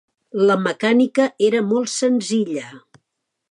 La mecànica era molt senzilla.